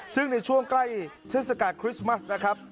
ซึ่งในช่วงใกล้เทศกาลคริสต์มัสนะครับ